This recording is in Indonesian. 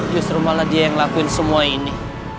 justru malah dia yang lakuin semua ini